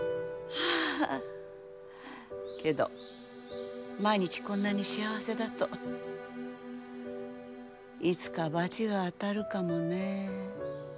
けど毎日こんなに幸せだといつかバチが当たるかもね。